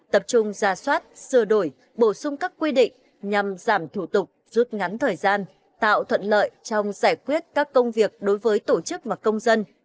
tập trung ra soát sửa đổi bổ sung các quy định nhằm giảm thủ tục rút ngắn thời gian tạo thuận lợi trong giải quyết các công việc đối với tổ chức và công dân